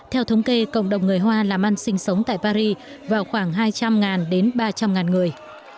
theo thống kê cộng đồng người hoa làm ăn sinh sống tại paris vào khoảng hai trăm linh đến ba trăm linh người